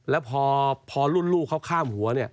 แล้วพอรุ่นลูกเขาข้ามหัวเนี่ย